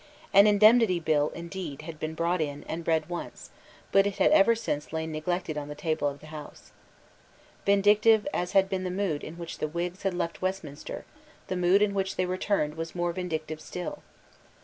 An Indemnity Bill indeed had been brought in, and read once; but it had ever since lain neglected on the table of the House, Vindictive as had been the mood in which the Whigs had left Westminster, the mood in which they returned was more vindictive still.